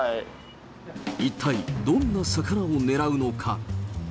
一体、どんな魚を狙うのか。